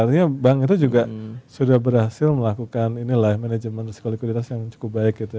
artinya bank itu juga sudah berhasil melakukan inilah manajemen psikologikuditas yang cukup baik gitu